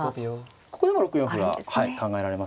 ここでも６四歩が考えられますね。